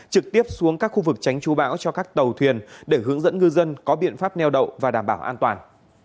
trực tiếp xuống các khu vực tránh chú bão cho các tàu thuyền để hướng dẫn ngư dân có biện pháp neo đậu và đảm bảo an toàn